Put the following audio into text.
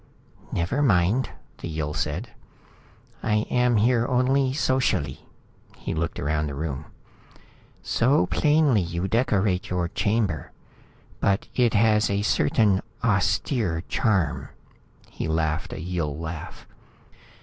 "Never mind," the Yill said. "I am here only socially." He looked around the room. "So plainly you decorate your chamber. But it has a certain austere charm." He laughed a Yill laugh.